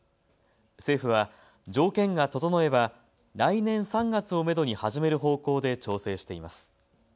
政府は条件が整えば来年３月をめどに始める方向で調整しています。